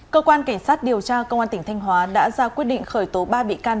cơ quan cảnh sát điều tra công an tỉnh thanh hóa đã ra quyết định khởi tố ba bị can